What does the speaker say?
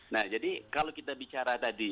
nah jadi kalau kita bicara tadi